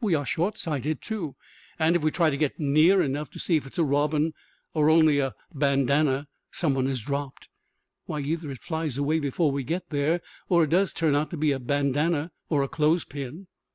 We are short sighted, too, and if we try to get near enough to see if it is a robin or only a bandanna some one has dropped, why either it flies away before we get there or it does turn out to be a bandanna or a clothespin.